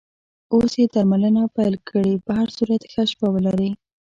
اوس یې درملنه پیل کړې، په هر صورت ښه شپه ولرې.